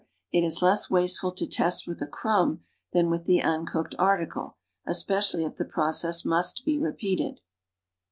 It is less wasteful to test with a crumb than with the un cooked article, especially if the process must be repeated.